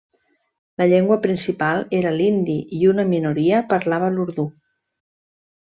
La llengua principal era l'hindi i una minoria parlava l'urdú.